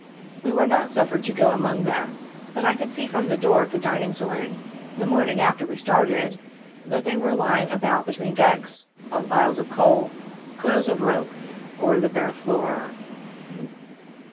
We were not suffered to go among them, but I could see from the door of the dining saloon, the morning after we started, that they were lying about between decks, on piles of coal, coils of rope, or the bare floor.